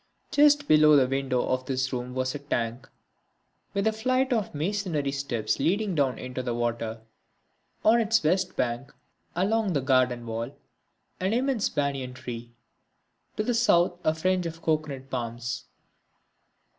Just below the window of this room was a tank with a flight of masonry steps leading down into the water; on its west bank, along the garden wall, an immense banyan tree; to the south a fringe of cocoanut palms.